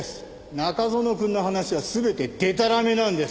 中園くんの話は全てでたらめなんです。